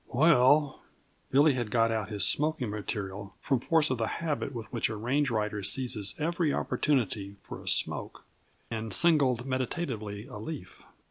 "Well," Billy had got out his smoking material, from force of the habit with which a range rider seizes every opportunity for a smoke, and singled meditatively a leaf.